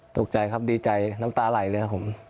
ตกใจครับดีใจน้ำตาไหลเลยครับผม